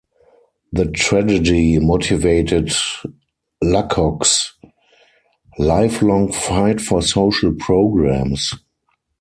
The tragedy motivated Luckock's lifelong fight for social programs.